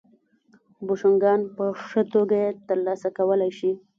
بوشونګان په ښه توګه یې ترسره کولای شي